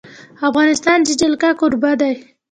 افغانستان د جلګه کوربه دی.